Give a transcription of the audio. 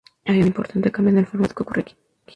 Hay un importante cambio en el formato que ocurre aquí.